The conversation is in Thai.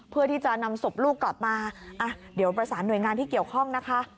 เพื่อที่จะนำศพลูกกลับมาอ่ะเดี๋ยวประสานหน่วยงานที่เกี่ยวข้องนะคะ